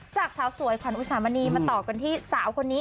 จากสาวสวยขวัญอุสามณีมาต่อกันที่สาวคนนี้